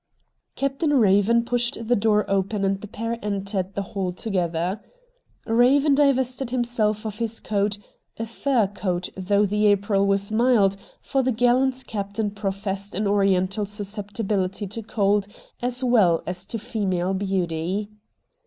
Captain Eaven pushed the door open and the pair entered the hall together. Eaven divested himself of his coat — a fur coat though the April was mild, for the gallant Captain professed an Oriental susceptibility to cold as well as to female beauty.